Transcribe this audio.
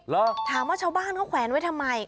ถามว่าชาวบ้านเขาแขวนไว้ทำไม